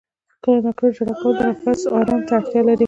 • کله ناکله ژړا کول د نفس آرام ته اړتیا لري.